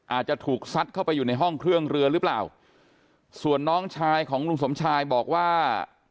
อาจจะถูกซัดเข้าไปอยู่ในห้องเครื่องเรือหรือเปล่าส่วนน้องชายของลุงสมชายบอกว่า